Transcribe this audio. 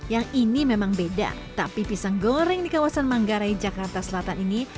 yang ini memang beda tapi pisang goreng di kawasan manggarai jakarta selatan ini